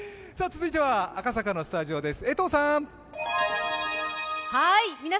続いては、赤坂のスタジオです。